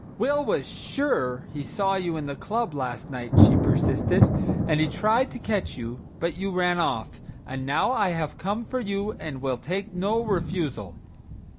"Will was sure he saw you in the club last night," she persisted, "and he tried to catch you, but you ran off; and now I have come for you and will take no refusal."